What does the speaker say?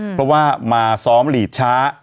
เพราะว่ามาซ้อมหลีดช้า